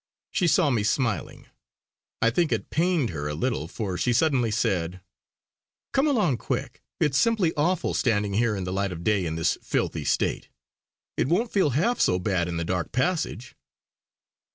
She saw me smiling; I think it pained her a little for she suddenly said: "Come along quick; it's simply awful standing here in the light of day in this filthy state. It won't feel half so bad in the dark passage!"